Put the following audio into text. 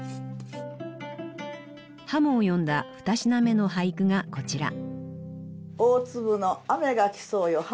鱧を詠んだ二品目の俳句がこちら。